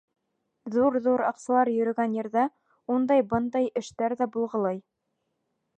Ҙур-ҙур аҡсалар йөрөгән ерҙә «ундай-бындай» эштәр ҙә булғылай.